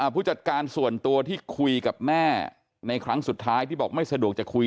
ผู้จัดการส่วนตัวที่คุยกับแม่ในครั้งสุดท้ายที่บอกไม่สะดวกจะคุย